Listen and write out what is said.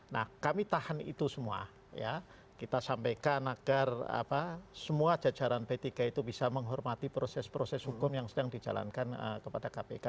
nah kami tahan itu semua ya kita sampaikan agar semua jajaran p tiga itu bisa menghormati proses proses hukum yang sedang dijalankan kepada kpk